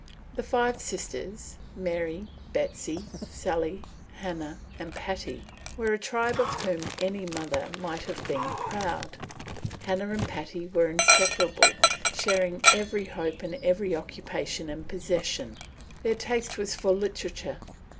The five sisters, Mary, Betsy, Sally, Hannah, and Patty, were a tribe of whom any mother might have been proud. Hannah and Patty were inseparable, sharing every hope and every occupation and possession. Their taste was for literature.